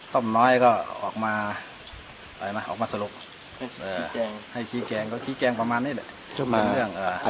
ต้มน้อยก็ออกมาสรุปให้ขี้แกงก็ขี้แกงประมาณนี้แหละ